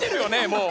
もう。